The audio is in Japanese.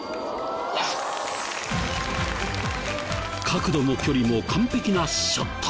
角度も距離も完璧なショット。